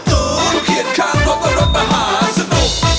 ก็เขียนข้างเพราะว่ารถมหาสนุก